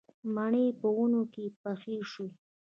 مڼې په ونو کې پخې شوې